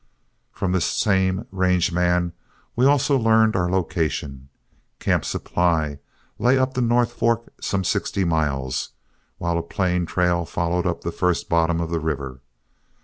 From this same range man we also learned our location. Camp Supply lay up the North Fork some sixty miles, while a plain trail followed up the first bottom of the river.